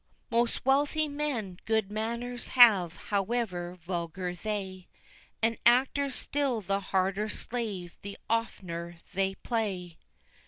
Most wealthy men good manors have, however vulgar they; And actors still the harder slave the oftener they play.